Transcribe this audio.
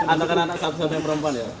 anak anak satu satunya perempuan ya